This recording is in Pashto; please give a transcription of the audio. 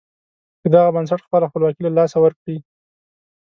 که دغه بنسټ خپله خپلواکي له لاسه ورکړي.